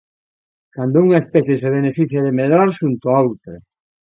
Cando unha especie se beneficia de medrar xunto a outra.